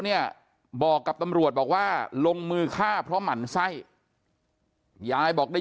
เนี่ยบอกกับตำรวจบอกว่าลงมือฆ่าเพราะหมั่นไส้ยายบอกได้